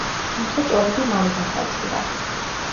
თუმცა ჭორები მალე გაქარწყლდა.